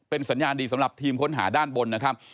สัญญาณดีสำหรับทีมค้นหาด้านบนนะครับ